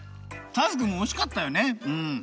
ターズくんもおしかったよねうん。